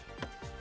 あ！